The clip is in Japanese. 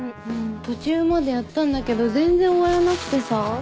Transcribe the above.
途中までやったんだけど全然終わらなくてさ。